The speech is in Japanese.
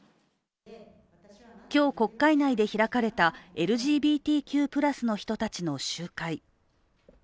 今日、国会内で開かれたＬＧＢＴＱ＋の人たちの集会。